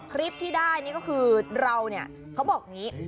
คลิปที่ได้นี่ก็คือเราเนี่ยเขาบอกอย่างนี้